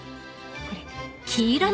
これ。